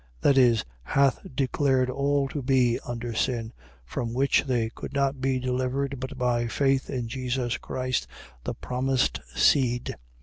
. .that is, hath declared all to be under sin, from which they could not be delivered but by faith in Jesus Christ, the promised seed.